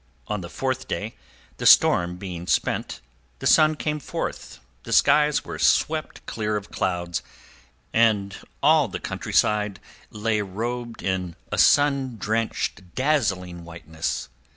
On the fourth day, the storm being spent, the sun came forth, the skies were swept clear of clouds and all the countryside lay robed in a sun drenched, dazzling whiteness.